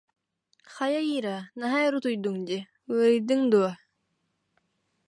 Хайа, Ира, наһаа өр утуйдуҥ дии, ыарыйдыҥ дуо